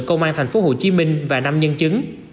công an tp hcm và năm nhân chứng